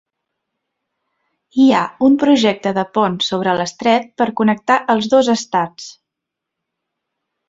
Hi ha un projecte de pont sobre l'estret per connectar els dos estats.